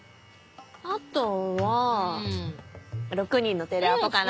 あとは『６人のテレアポ』かな。